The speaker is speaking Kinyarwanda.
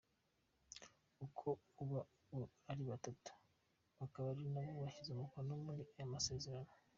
Aba uko ari batatu bakaba ari nabo bashyize umukono kuri ayo masezerano.